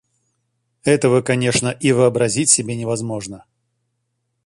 Этого, конечно, и вообразить себе невозможно.